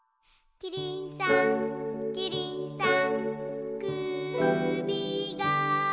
「キリンさんキリンさん」